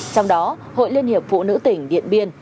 trong đó hội liên hiệp phụ nữ tỉnh điện biên